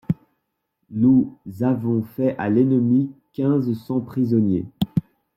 Nous avons fait à l'ennemi quinze cents prisonniers.